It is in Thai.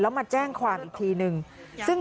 แล้วมาแจ้งความอีกทีนึง